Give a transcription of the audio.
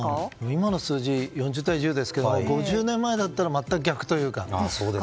今の数字４０対１０ですけれども５０年前なら全く逆だったというか。